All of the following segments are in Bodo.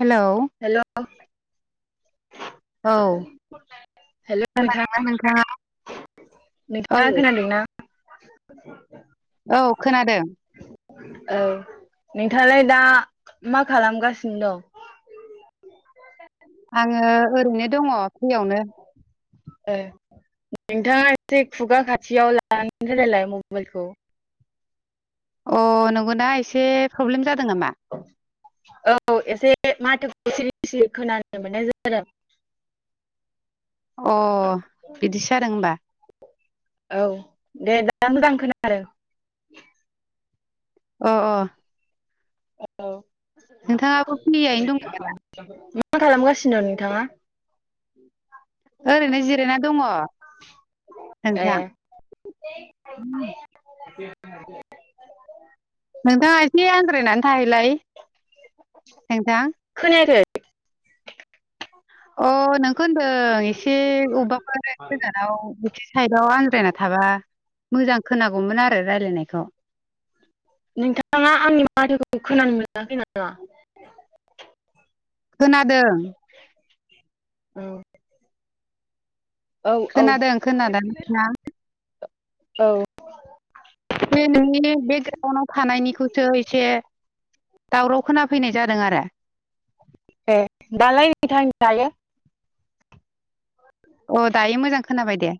हेलौ हेल' औ हेल' म [unintelligible] खोनादोंना नोंथाङा औ नोंथाङा खोनादोंना? औ खोनादों औ नोंथाङालाय दा मा खालामगासिनो दं? [inaudible] आङो ओरैनो दङ फ्रियावनो ए नोंथाङा एसे खुगा खाथियाव लानानै रायलायलाय मबेलखौ अ नंगौना एसे प्रब्लेम जा औ एसे माथो [unintelligible] एिरि खोनानो मोननाय जादों अ बिदिसो जादों होमबा औ दे दा दा मोजां खोना आरो अ अ औ नोंथाङाबो फ्रियैनो दङ नामा मा खालामगासिनो दं नोंथाङा? ओरैनो जिरायना दङ नोंथां। ए उ [inaudible] आ [inaudible] नोंथाङा एसे आनद्रायनानै थाहैलाय नोंथां। खोनायाखै अ नोंखो होनदों एसे अबेबाफोर गोजानाव एसे साइदआव आनद्रायना थाबा मोजां खोनांगौमोन आरो रायलायनायखौ। नोंथाङा आंनि माथोखौ खोनानो मोनाखै नामा? खोनादों। औ औ औ खोनादों खोनादों नोंथां औ बे नोंनि बेग्राउन्डाव थानायनिखौसो एसे दावराव खोना फैनाय जादों आरो ए दालायनि थांनो थायो [unintelligible] अ दायो मोजां खोनाबाय दे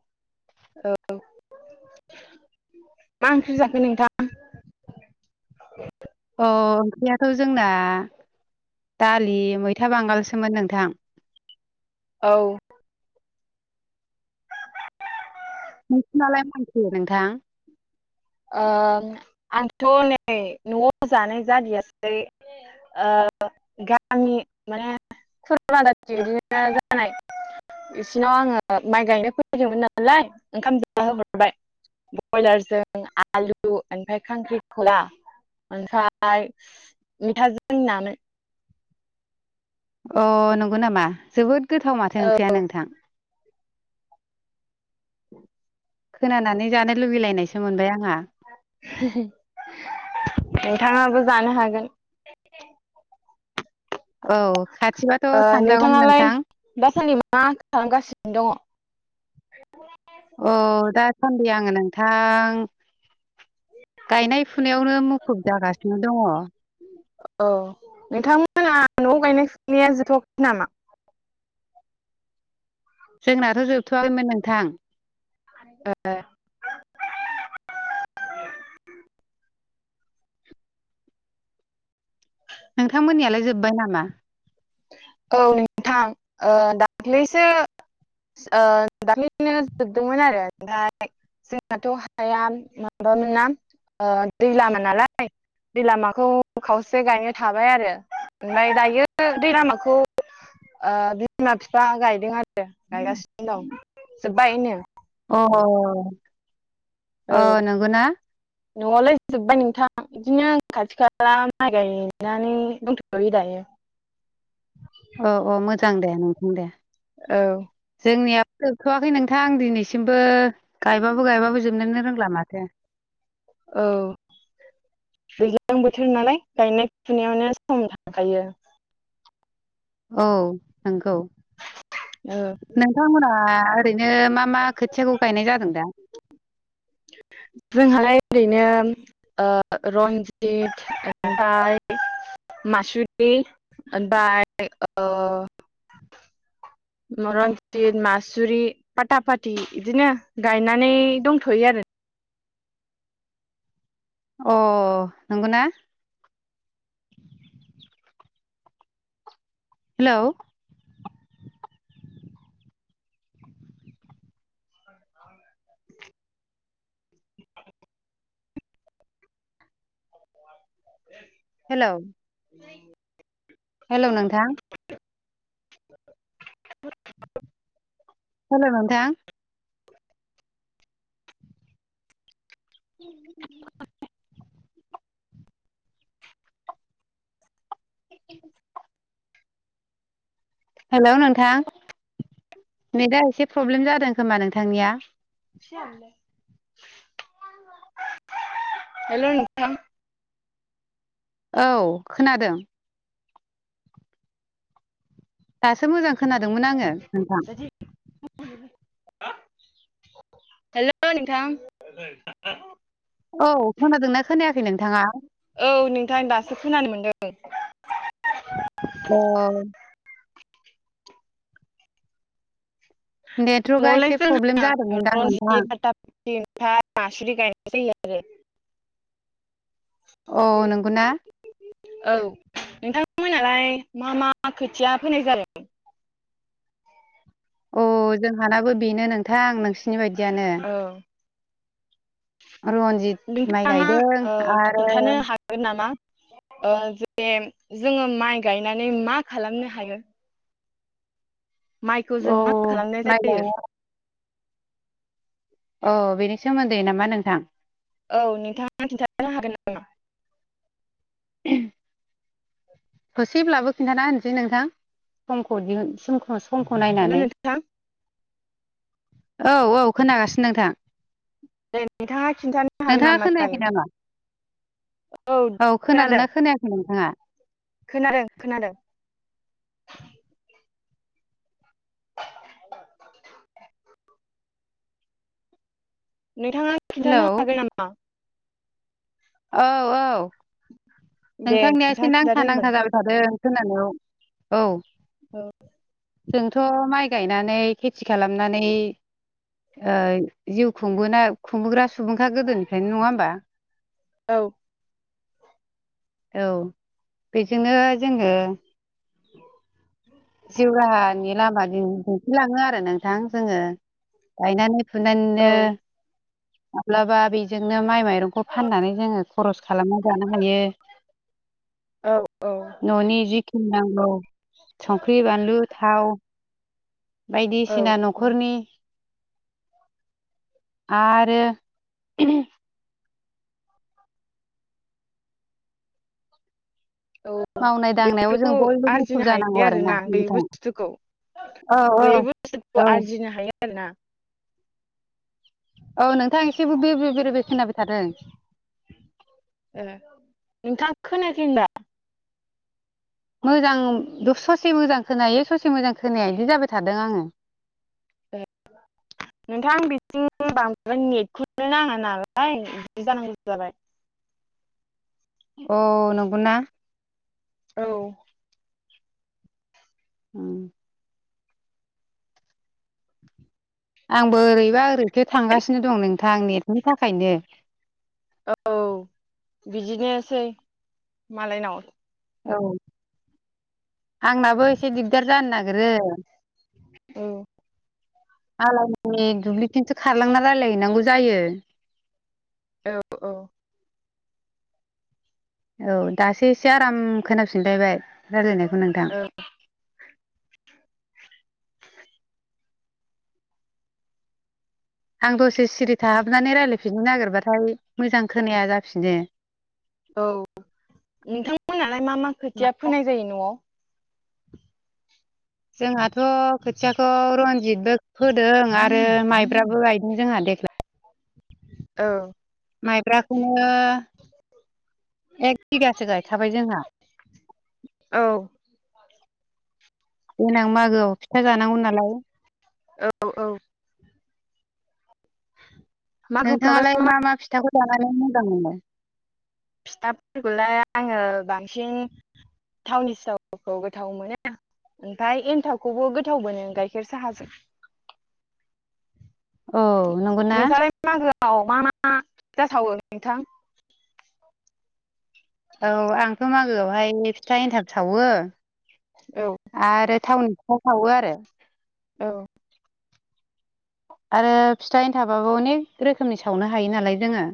औ मा ओंख्रि जाखो नोंथां? अ ओंख्रियाथ' जोंना दालि मैथा बांगालसोमोन नोंथां। औ नोंसिनालाय मा ओंख्रि नोंथां आंथ' नै न'आव जानाय जादियासै। गामि माने खुरमा जाथि बिदिनो जानाय। बिसिनाव आङो माइ गायनो फैैदोंमोन नालाय ओंखाम जाहोहरबाय। ब्रयलारजों आलु ओमफ्राय खांख्रिखला। ओमफ्राय मैथाजों नामोन अ नंगौ नामा जोबोद गोथाव माथो ओ ओंखिरया नोंथां।। औ खोनानानै जानो लुबैलायनायसो मोनबाय आंहा नोंथाङाबो जानो हागोन। औ खाथिबाथ' थांजागौमोन नोंथाङालाय नोंथां दासान्दि मा खालामगासिनो दङ फै आङो नोंथां गायनाय फुनायावनो मुखुब जागासिनो दङ। औ नोंथांमोना न'आव गायनाय फुनाया जोबथ'वाखै नामा जोंनाथ' जोबथ'वाखैमोन नोंथां ए नोंथांमोननियालाय जोबबाय नामा औ नोंथां दाख्लैसो दा बिदिनो जोबदोंमोन आरो ओमफ्राय जोंनाथ' हाया म [unintelligible] दै लामा नालाय दै लामाखौ खावसे गायनो थाबाय आरो ओमफ्राय दायो दै लामाखौ बिमा बिफा गायदों आरो गायगासिनो दं बायनो अ औ अ नंगौना न'आवलाय जोब्बाय नोंथां बिदिनो खाथि खाला माइ गायनानै दंथ'यो दायो [inaudible] सिगां दे नोंथां दे औ जोंनियाबो जोबथ'वाखै नोंथां आं दिनैसिमबो गायबाबो गायबाबो जोबनोनो रोंला माथो दे औ दैज्लां बोथोर नालाय गायनाय फुनायावनो सम थांखायो औ नंगौ औ नोंथांमोना दा ओरैनो मा मा खोथियाखौ गायनाय जादों दा जोंहालाय ओरैनो रन्जित ओमफ्राय मासुदि ओमफ्राय रन्जित मासुरि फाथा फाति बिदिनो गायनानै दंथ'यो आरो अ नंगौ ना हेलौ [unintelligible] [inaudible] हेलौ [inaudible] हेलौ नोंथां [inaudible] हेलौ नोंथां [inaudible] [unintelligible] हेलौ नोंथां नेदा एसे प्रब्लेम जादों खोमा नोंथांनिया हेलौ नोंथां औ खोनादों दासो मोजां खोनादोंमोन आङो नोंथां हेलौ नोंथां औ खोनादोंना खोनायाखै नोंथाङा औ नोंथां दासो खोनानो मोनदों [unintelligible] अ नेटवर्कआ एसे प्रब्लेम जादोंमोनदां नोंथां [unintelligible] [unintelligible] औ नंगौ ना औ नोंथांमोनालाय मा मा खोथिया फोनाय जादों अ जोंहानाबो बेनो नोंथां नोंसि औ रनजित माइ नोंथाङा गायदों आरो खिन्थानो हागोन नामा ज बेे जोङो माइ गायनानै मा खालामनो हायो माइखौ औ जों मा खालामनाय माइ जायो? गायनाय अ बेनि सोमोन्दै नामा नोंथां? औ नोंथाङा खिन्थानो हागोन नामा? ए दसैब्लाबो खिन्थाना होनसै नोंथां समखौ दिहुन समख समखौ हेल' नायनानै नोंथां औ औ खोनागासिनो नोंथां। दे नोंथाङा खिन्थानो हागोन नोंथाङा नामा खोनायाखै दायो? नामा औ खोनादो खोनादों ना खोनायाखै नोंथाङा? खोनादों खोनादों। नोंथाङा हेलौ खिन्थानो हागोन नामा? औ औ दे नोंथांनिया एसे नोंथाङा नांथा खिन्थादो नांथा होनबालाय जाबाय थादों। खोनानायाव औ औ जोंथ' माइ गायनानै खेथि खालामनानै ओ जिउ खुंबोना खुंबोग्रा सुबुंखा गोदोनिफ्रायनो नङा होमबा? औ औ बेजोंनो जोङो जिउराहानि लामा दिन दिन्थिलाङो आरो नोंथां जोङो गायनानै औ फुनानैनो माब्लाबा बेजोंनो माइ माइरंखौ फाननानै जोङो खरस खालामना जानो हायो। औ औ होनांगौ संख्रि बानलु थाव औ बायदिसिना औ न'खरनि आरो औ मावनाय दांनायाव जों बेफोरखौ बयबो मुखुब आरजिनो जानांगौ हायो आरोना बे नोंथां बुस्थुखौ औ औ गैयै औ बुस्तुखौ आरजिनो हायो आरोना। औ नोंथां एसेबो बे बे बेरे बे खोनाबाय थादों। ओ नोंथाङा खोनायाखै होमबा? मोजां ससे मोजां खोनायो ससे मोजां खोनाया इदि जाबाय थादों आङो [unintelligible] नोंथां बिथिं बांद्राय नेटखौनो नाङा नालाय बिदि मा जानांगौ इदिबालाय औ नंगौना? औ। उम आंबो ओरैबा ओरैखो थांगासिनो दं नोंथां नेटनि थाखायनो। औ बिदिनोसै मालायनाव औ आंनाबो एसे दिगदार जानो नागिरो। औ आलायनि दुब्लिथिंसो खारलांना रायलायहैनांगौ जायो। औ औ औ दासो एसे आराम खोनाफिनलायबाय राय्लायनायखौ नोंथां। औ आं दसे सिरि थाहाबनानै रायज्लायफिननो नागिरबाथाय मोजां खोनाया जाफिनो। औ नोंथांमोनालाय मा मा खोथिया फोनाय जायो न'आव? जोंहाथ' खोथियाखौ रनजितबो फोदों आरो माइब्राबो गायदों जोंहा देग्लाय। औ माइब्राखौनो एक बिगासो गायखाबाय जोंहा औ देनां मागोआव फिथा जानांगौ नालाय औ औ मागोफ्रावलाय नोंथाङालाय मा मा फिथाखौ जानानै मोजां मोनो फिथाफोरखौलाय आङो बांसिन थावनि सिथावखौ गोथाव मोनो ओमफफ्राय एन्थावखौबो गोथाव मोनो गाइखेर साहाजों औ नंगौना [unintelligible] औ मा मा जाथावो नोंथां औ आंथ' मागोआवहाय फिथा एन्थाब सावो औ आरो थावनि [unintelligible] सावो आरो औ आरो फिथाइैनो थाबाबो अनेक रोखोमनि सावनो हायो नालाय जोङो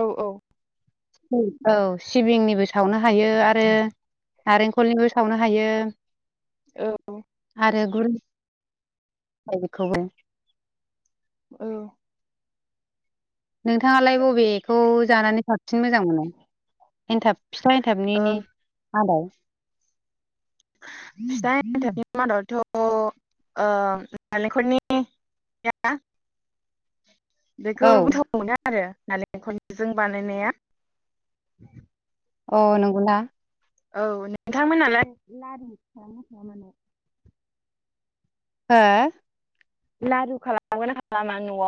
औ औ औ सिबिंनिबो सावनो हायो आरो नारेंखलनिबो सावनो हायो औ आरो गुरखौबो औ नोंथाङालाय बबेखौ जानानै साबसिन मोजां मोनो एन्थाब फिथाइनथापनि औ मदाव फिथाइनथाबनि मादावथ' अ नारेंखरनि औ बेखौ गोथाव मोना आरो नालेंखजों बानायनाया अ नंगौ दा औ नोंथांमोनालाय लारु हा लारु खालामगोन ना खालामा न'आव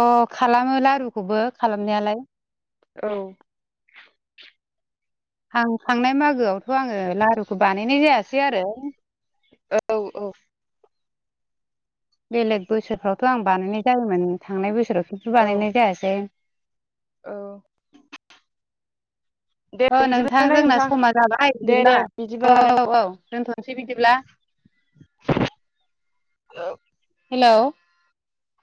अ खालामो लारुखौबो खालामनायालाय औ आं थांनाय मागोआवथ' आङो लारुखौ बानायनाय जायासै आरो औ औ बेलेग बोसोरफ्रावथ' आं बानायनाय जायोमोन थांनाय बोसोराव खेथु औ बानायनाय जायासै औ दे अ नोंथां बिदिब्लालाय जोंना नोंथां समा जाबाय दे बिदिब्ला दे औ बिदिबालाय औ दोनथ'नोसै बिदिब्ला [unintelligible] औ हेल'